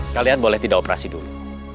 kalian boleh tidak operasi dulu